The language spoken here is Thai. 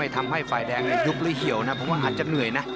ทำให้ฝ่ายแดงยุบหรือเหี่ยวนะผมว่าอาจจะเหนื่อยนะ